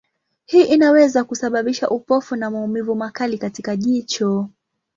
Hii inaweza kusababisha upofu na maumivu makali katika jicho.